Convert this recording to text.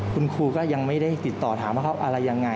คุณครูก็ยังไม่ได้ติดต่อถามว่าเขาอะไรยังไง